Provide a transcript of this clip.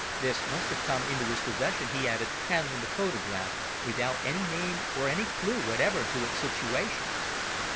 This must have come into his possession," he added, handling the photograph, "without any name or any clue whatever to its situation."